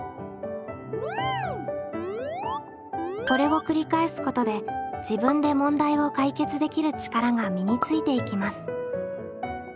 これを繰り返すことで自分で問題を解決できる力が身についていきます。